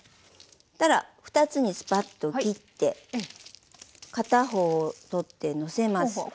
そしたら２つにスパッと切って片方を取ってのせます。